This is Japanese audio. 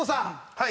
はい。